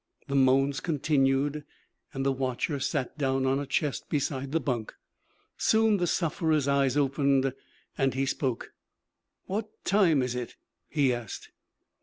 The moans continued, and the watcher sat down on a chest beside the bunk. Soon the sufferer's eyes opened and he spoke. 'What time is it?' he asked.